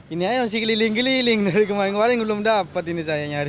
ini aja masih keliling keliling dari kemarin kemarin belum dapat ini saya nyari